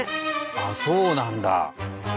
あそうなんだ。